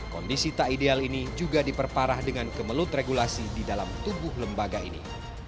kondisi tak ideal ini juga diperparah dengan kemelut regulasi di dalam tubuh lembaga ini